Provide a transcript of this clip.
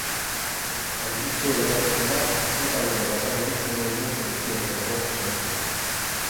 Orduantxe erabakiko da zein talde edo bakarlari izango diren edizio honetako sarituak.